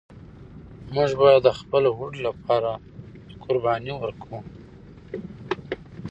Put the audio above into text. موږ به د خپل هوډ لپاره قرباني ورکوو.